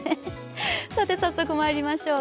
早速まいりましょう。